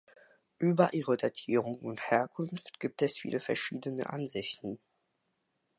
Über ihre Datierung und Herkunft gibt es viele verschiedene Ansichten.